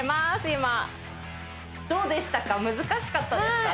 今どうでしたか難しかったですか？